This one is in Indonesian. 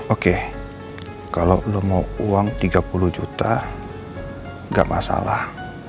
oke kalau lo mau uang tiga puluh juta nggak masalah